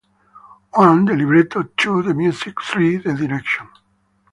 One, the libretto; two, the music; three, the direction.